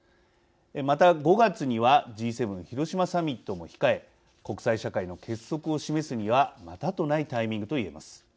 また５月にはＧ７広島サミットも控え国際社会の結束を示すにはまたとないタイミングと言えます。